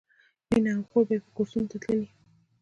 مینه او خور به یې کورسونو ته تللې